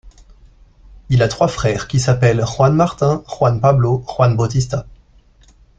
Il a trois frères qui s’appellent Juan Martin, Juan Pablo, Juan Bautista.